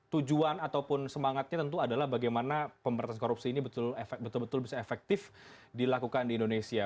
tujuan ataupun semangatnya tentu adalah bagaimana pemberantasan korupsi ini betul betul bisa efektif dilakukan di indonesia